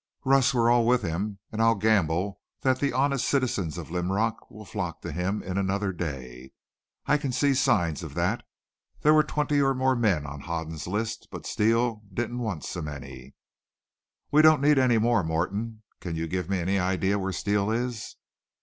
"Russ, we're all with him, an' I'll gamble that the honest citizens of Linrock will flock to him in another day. I can see signs of that. There were twenty or more men on Hoden's list, but Steele didn't want so many." "We don't need any more. Morton, can you give me any idea where Steele is?"